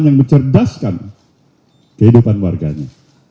yang mencerdaskan kehidupan warganya